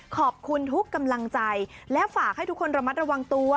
ขอบคุณทุกกำลังใจและฝากให้ทุกคนระมัดระวังตัว